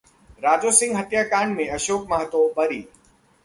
राजो सिंह हत्याकांड में अशोक महतो बरी